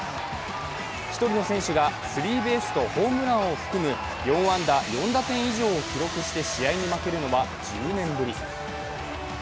１人の選手がスリーベースとホームランを含む４安打４打点以上を記録して試合に負けるのは１０年ぶり。